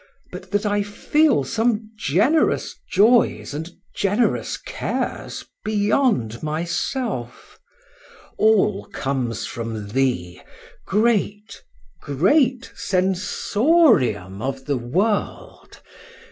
—but that I feel some generous joys and generous cares beyond myself;—all comes from thee, great—great SENSORIUM of the world!